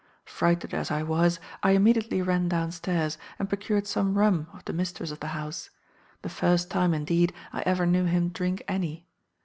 "Frighted as I was, I immediately ran downstairs, and procured some rum of the mistress of the house; the first time, indeed, I ever knew him drink any.